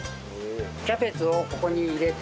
キャベツをここに入れて。